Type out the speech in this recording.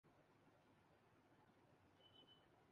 سعودی شاہراہوں پر خواتین کا راج